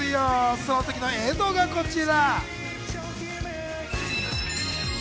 その時の映像がこちら。